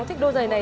nghe lời chú đi